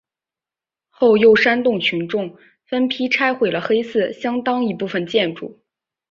后又煽动群众分批拆毁了黑寺相当一部分建筑。